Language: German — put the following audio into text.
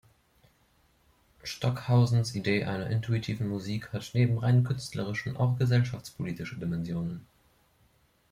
Stockhausens Idee einer intuitiven Musik hat neben rein künstlerischen auch gesellschaftspolitische Dimensionen.